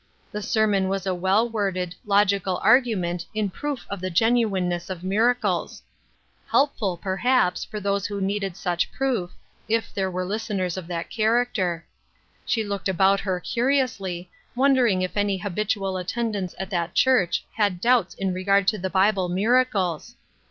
The sermon was a well worded, logical argument in proof of the genuineness of miracles ! Helpful, perhaps, $2 LOGIC AND INTERROGATION POINTS. for those who needed such proof, if there were listeners of that character. She looked about her curiously, wondering if any habitual attendants at that church had doubts in regard to the Bible mira cles